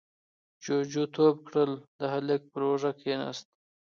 جُوجُو ټوپ کړل، د هلک پر اوږه کېناست: